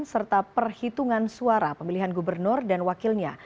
serta perhitungan suara pemilihan gubernur dan wakilnya